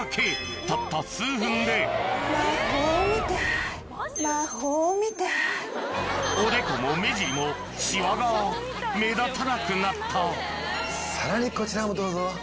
すごいよ。おでこも目尻もシワが目立たなくなったさらにこちらをどうぞ。